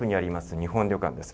日本旅館です。